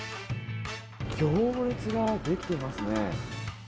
行列ができてますね。